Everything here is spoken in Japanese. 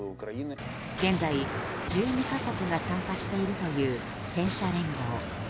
現在１２か国が参加しているという戦車連合。